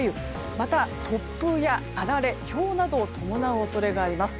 また、突風やあられひょうなどを伴う恐れがあります。